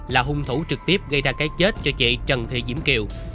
là hung thủ trực tiếp gây ra cái chết cho chị trần thị diễm kiều